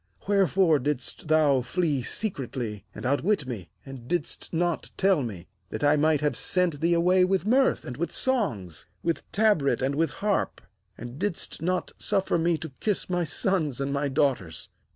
27Wherefore didst thou flee secretly, and outwit me; and didst not tell me, that I might have sent thee away with mirth and with songs, with tabret and with harp; 28and didst not suffer me to kiss my sons and my daughters?